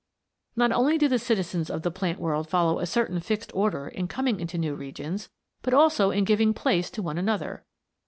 Not only do the citizens of the plant world follow a certain fixed order in coming into new regions, but also in giving place to one another.